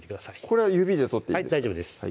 これは指で取っていいんですか？